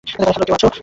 Hello, কেউ আছো?